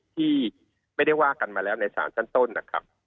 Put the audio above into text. ที่ไม่ได้ว่ากันมาแล้วในศาลชั้นต้นนะครับ